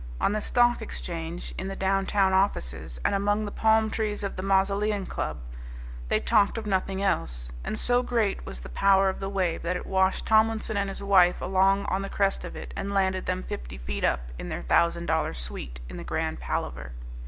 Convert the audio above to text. On the Stock Exchange, in the downtown offices, and among the palm trees of the Mausoleum Club they talked of nothing else. And so great was the power of the wave that it washed Tomlinson and his wife along on the crest of it, and landed them fifty feet up in their thousand dollar suite in the Grand Palaver.